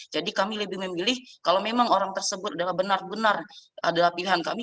jadi kami lebih memilih kalau memang orang tersebut adalah benar benar adalah pilihan kami